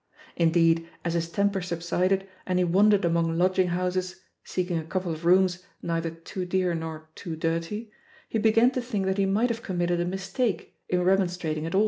Indeed, as his temper sub sided and he wandered among lodging houses^ seeking a couple of rooms neither too dear nor too dirty, he began to think that he might have committed a mistake in remonstrating at aU.